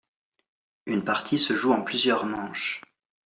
Une partie se joue en plusieurs manches.